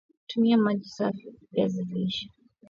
Tumia maji kusafisha viazi lishe